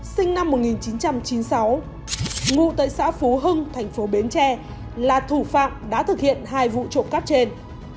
sinh năm một nghìn chín trăm chín mươi sáu ngụ tại xã phú hưng thành phố bến tre là thủ phạm đã thực hiện hai vụ trộm cắp trên